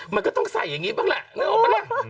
มันก็ต้องใส่อย่างนี้บ้างแหละนึกออกปะล่ะ